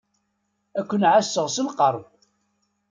Ad ken-ɛasseɣ s lqerb.